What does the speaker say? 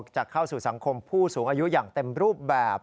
จะเข้าสู่สังคมผู้สูงอายุอย่างเต็มรูปแบบ